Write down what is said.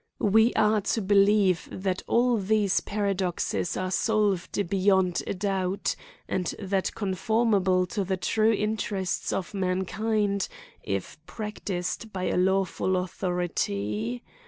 We are to believe, that all these paradoxes are solved beyond a doubt, and are conformable ta the true mterest of mankind, if practised by a lawful authority.